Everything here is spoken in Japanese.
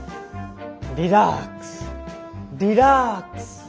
リラックスリラックス。